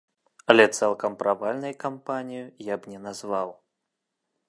Але цалкам правальнай кампанію я б не назваў.